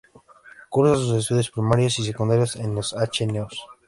Cursa sus estudios primarios y secundarios en los Hnos.